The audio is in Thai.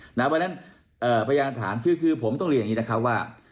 เพราะฉะนั้นพยานฐานคือผมต้องเรียนอย่างนี้นะครับว่า